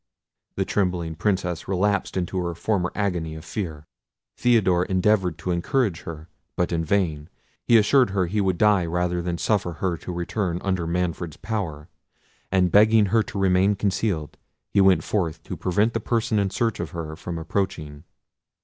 The trembling Princess relapsed into her former agony of fear. Theodore endeavoured to encourage her, but in vain. He assured her he would die rather than suffer her to return under Manfred's power; and begging her to remain concealed, he went forth to prevent the person in search of her from approaching.